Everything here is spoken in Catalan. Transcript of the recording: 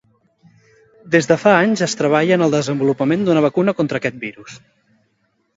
Des de fa anys es treballa en el desenvolupament d'una vacuna contra aquest virus.